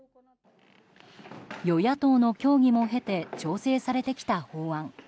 与野党の協議も経て調整されてきた法案。